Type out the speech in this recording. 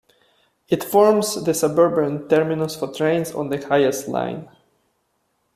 It forms the suburban terminus for trains on the Hayes line.